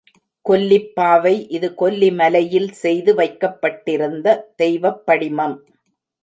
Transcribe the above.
கொல்லிப் பாவை இது கொல்லி மலையில் செய்து வைக்கப்பட்டிருந்த தெய்வப் படிமம்.